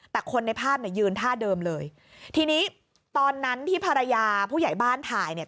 แต่คนในภาพเนี่ยยืนท่าเดิมเลยทีนี้ตอนนั้นที่ภรรยาผู้ใหญ่บ้านถ่ายเนี่ย